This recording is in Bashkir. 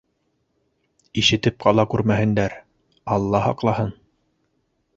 Ишетеп ҡала күрмәһендәр, алла һаҡлаһын.